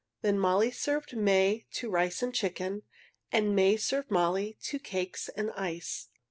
Then Molly served May to chicken and rice, and May served Molly to cakes and ice.